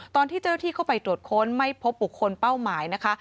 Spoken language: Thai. ตอนที่เจ้าหน้าที่เข้าไปตรวจค้นไม่พบบุคคลเป้าหมายนะคะ